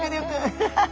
アハハハ。